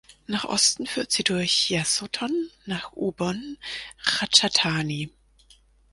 Nach Osten führt sie durch Yasothon nach Ubon Ratchathani.